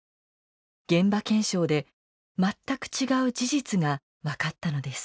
現場検証で全く違う事実が分かったのです。